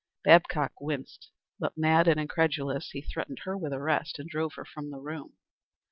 Babcock winced, but mad and incredulous, he threatened her with arrest and drove her from the room.